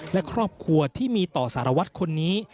และครอบครัวที่มีต่อสารวัตรคนนี้